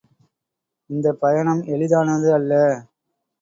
இந்தப் பயணம் எளிதானது அல்ல.